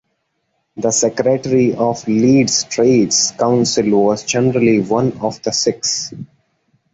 The secretary of Leeds Trades Council was generally one of the six.